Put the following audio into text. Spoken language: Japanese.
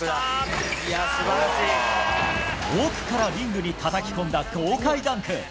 奥からリングにたたき込んだ豪快ダンク。